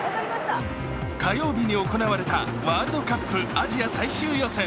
火曜日に行われたワールドカップアジア最終予選。